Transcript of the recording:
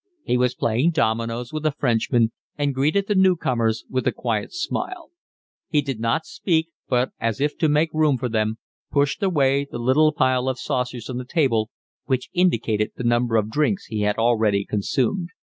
He was playing dominoes with a Frenchman, and greeted the new comers with a quiet smile; he did not speak, but as if to make room for them pushed away the little pile of saucers on the table which indicated the number of drinks he had already consumed.